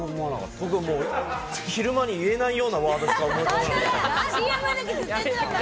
僕は昼間に言えないようなワードしか思い浮かばなかった。